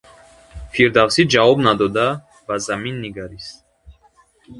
Фирдавсӣ ҷавоб надода, ба замин нигарист.